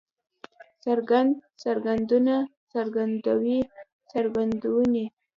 څرګند، څرګندونه، څرګندوی، څرګندونې